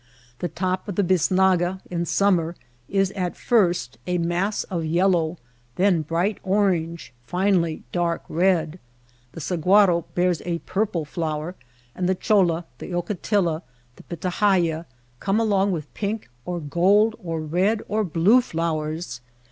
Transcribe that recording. The top of the bisnaga in summer is at first a mass of yellow, then bright orange, finally dark red. The sahuaro bears a purple flower, and the cholla, the ocatilla, the pitahaya come along with pink or gold or red or blue flowers.